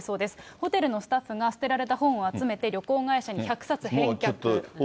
ホテルのスタッフが捨てられた本を集めて旅行会社に１００冊返却。